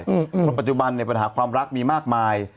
เพราะปัจจุบันเนี่ยปัญหาความรักมีมากมาย